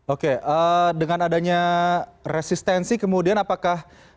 oke dengan adanya resistensi kemudian apakah